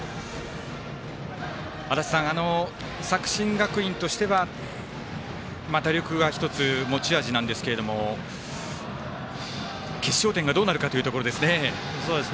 足達さん、作新学院としては打力は１つ持ち味なんですけども決勝点がどうなるかというところですね。